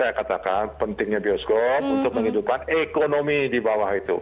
saya katakan pentingnya bioskop untuk menghidupkan ekonomi di bawah itu